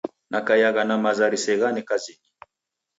Nakaiagha na maza riseghane kazinyi.